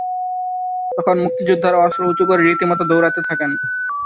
তখন মুক্তিযোদ্ধারা অস্ত্র উঁচু করে রীতিমতো দৌড়াতে থাকেন।